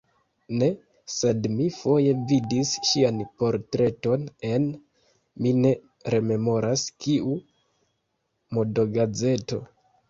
Ne, sed mi foje vidis ŝian portreton en, mi ne rememoras kiu, modogazeto.